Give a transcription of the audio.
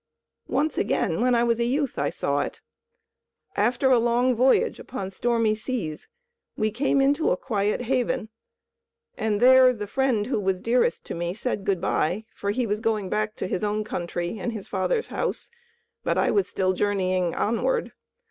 "Once again, when I was a youth, I saw it. After a long voyage upon stormy seas, we came into a quiet haven, and there the friend who was dearest to me, said good by, for he was going back to his own country and his father's house, but I was still journeying onward.